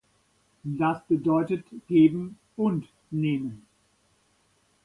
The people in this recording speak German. Das bedeutet geben und nehmen.